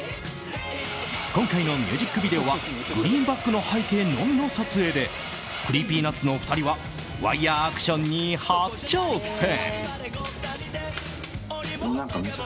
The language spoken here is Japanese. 今回のミュージックビデオはグリーンバックの背景のみの撮影でＣｒｅｅｐｙＮｕｔｓの２人はワイヤアクションに初挑戦。